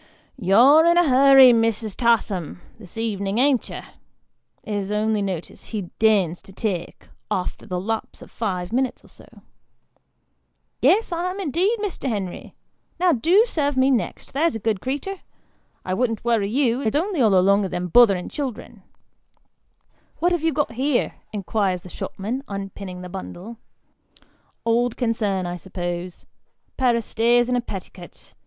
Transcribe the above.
" You're in a hurry, Mrs. Tatham, this ev'nin', an't you ?" is the only notice he deigns to take, after the lapse of five minutes or so. " Yes, I am indeed, Mr. Henry ; now, do serve me next, there's a good creetur. A Lord of Creation. 141 I wouldn't worry you, only it's all along o' them botherin' children." " What have you got here ?" inquires the shopman, unpinning the bundle " old concern, I suppose pair o' stays and a petticut.